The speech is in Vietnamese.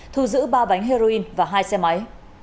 thu giữ ba bánh heroin và hai xe máy